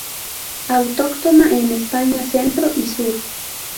Autóctona en España centro y sur.